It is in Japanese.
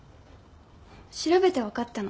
調べて分かったの。